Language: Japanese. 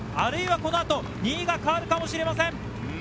この後２位が変わるかもしれません。